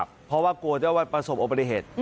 เพราะว่ากลัวจะประสบอุบัติเหตุ